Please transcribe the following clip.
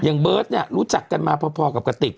อย่างเบิร์ทรู้จักกันมาพอกับกะติก